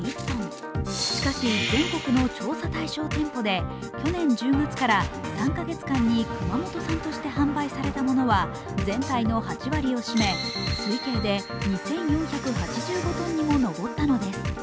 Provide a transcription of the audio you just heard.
しかし全国の調査対象店舗で去年１０月から３カ月間に熊本産として販売されたものは全体の８割を占め推計で２４８５ｔにも上ったのです。